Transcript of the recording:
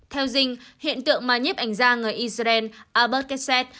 theo dinh hiện tượng mà nhếp ảnh ra người israel albert kesset